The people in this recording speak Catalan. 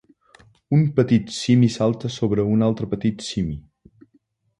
Un petit simi salta sobre un altre petit simi.